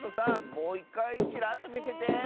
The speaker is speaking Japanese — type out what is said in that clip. もういっかいチラッとみせて。